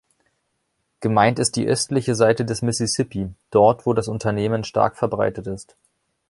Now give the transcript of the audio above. Gemeint ist die östliche Seite des Mississippi, dort, wo das Unternehmen stark verbreitet ist.